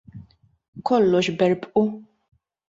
Kollox berbqu!